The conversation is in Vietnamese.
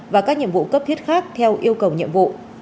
và các nhiệm vụ cấp thiết khác theo yêu cầu nhiệm vụ